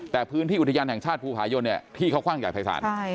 แต่พื้นที่อุทยานแห่งชาติภูผายนเนี่ยที่เขาคว่างใหญ่ภัยศาล